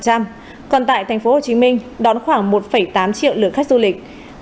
còn tại tp hcm đón khoảng một tám triệu lượt khách du lịch